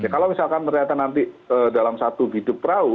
kalau misalkan nanti dalam satu bidu perahu